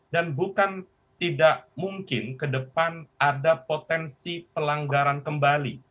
dan bukan tidak mungkin ke depan ada potensi pelanggaran kembali